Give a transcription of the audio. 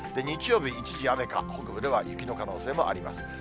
日曜日、一時雨か、北部では雪の可能性もあります。